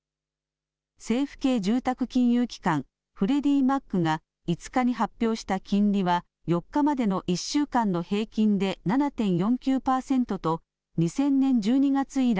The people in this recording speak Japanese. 政府系住宅金融機関、フレディマックが５日に発表した金利は４日までの１週間の平均で７．４９％と２０００年１２月以来